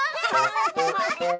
アハハハ！